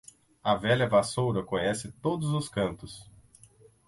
A velha vassoura conhece todos os cantos.